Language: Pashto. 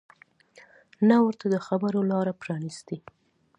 نه ورته د خبرو لاره پرانیستې